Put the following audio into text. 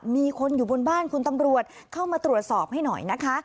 มีคนอยู่บนบ้านคุณตำรวจเข้ามาตรวจสอบให้หน่อยนะคะ